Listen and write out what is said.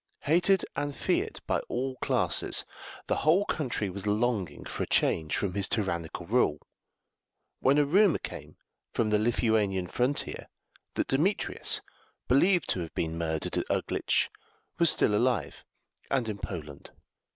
Hated and feared by all classes, the whole country was longing for a change from his tyrannical rule, when a rumour came from the Lithuanian frontier that Demetrius, believed to have been murdered at Uglitch, was still alive, and in Poland.